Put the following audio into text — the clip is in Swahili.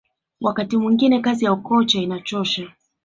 wakati mwingine kazi ya ukocha inachosha